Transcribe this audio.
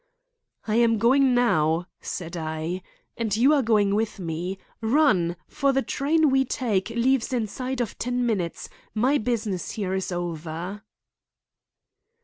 "I am going now," said I, "and you are going with me. Run! for the train we take leaves inside of ten minutes. My business here is over."